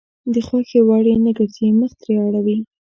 د خوښې وړ يې نه ګرځي مخ ترې اړوي.